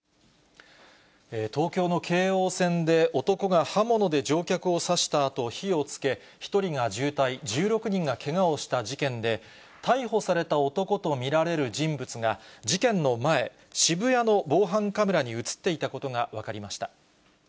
東京の京王線で、男が刃物で乗客を刺したあと、火をつけ、１人が重体、１６人がけがをした事件で、逮捕された男と見られる人物が、事件の前、渋谷の防犯カメラに写っていたことが分かりました。